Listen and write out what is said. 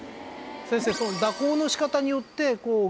先生。